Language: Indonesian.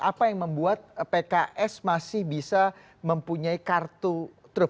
apa yang membuat pks masih bisa mempunyai kartu truk